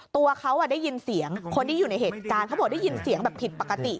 ตัวเขาได้ยินเสียงคนที่อยู่ในเหตุการณ์เขาบอกได้ยินเสียงแบบผิดปกติ